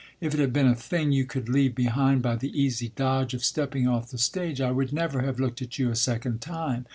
If it had been a thing you could leave behind by the easy dodge of stepping off the stage I would never have looked at you a second time.